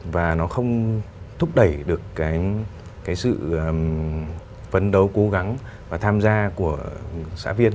và nó không thúc đẩy được cái sự phấn đấu cố gắng và tham gia của xã viên